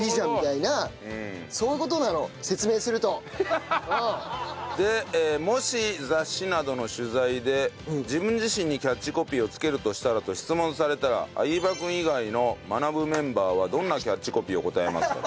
ハハハハ！でもし雑誌などの取材で自分自身にキャッチコピーをつけるとしたら？と質問されたら相葉君以外の『マナブ』メンバーはどんなキャッチコピーを答えますか？と。